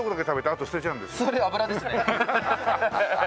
それ脂ですね。